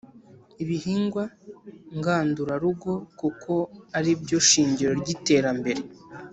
ibihingwa ngandurarugo kuko ari byo shingiro ry'iterambere.